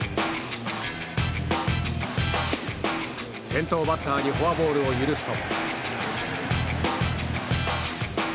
先頭バッターにフォアボールを許すと。